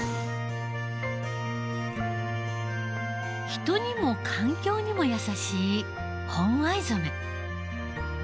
人にも環境にも優しい本藍染。